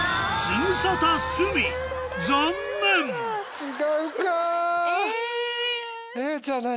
じゃあ何？